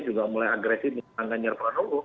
juga mulai agresif dengan tangganya rp